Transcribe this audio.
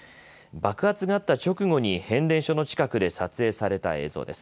爆発があった直後に変電所の近くで撮影された映像です。